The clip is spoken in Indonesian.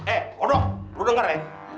eh aduh lu denger ya